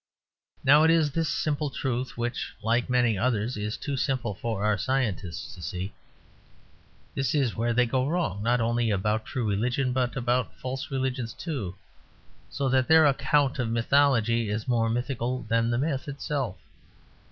Now it is this simple truth which, like many others, is too simple for our scientists to see. This is where they go wrong, not only about true religion, but about false religions too; so that their account of mythology is more mythical than the myth itself.